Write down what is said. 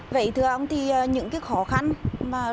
vậy thưa ông thì những cái khó khăn mà